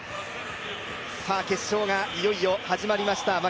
決勝がいよいよ始まりました、